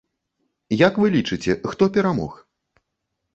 Як вы лічыце, хто перамог?